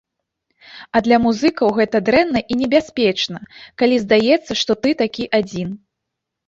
А для музыкаў гэта дрэнна і небяспечна, калі здаецца, што ты такі адзін.